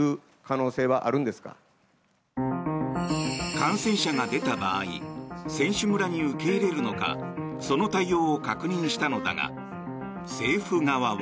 感染者が出た場合選手村に受け入れるのかその対応を確認したのだが政府側は。